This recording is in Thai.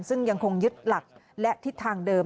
ซึ่งยังคงยึดหลักและทิศทางเดิม